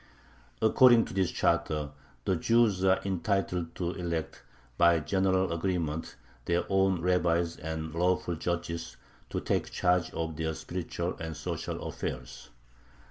According to this charter, the Jews are entitled to elect, by general agreement, their own rabbis and "lawful judges" to take charge of their spiritual and social affairs.